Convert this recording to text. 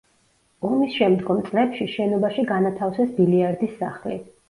ომის შემდგომ წლებში შენობაში განათავსეს ბილიარდის სახლი.